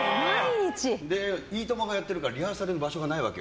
「いいとも！」がやってるからリハーサルの場所がないわけ。